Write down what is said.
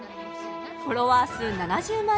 フォロワー数７０万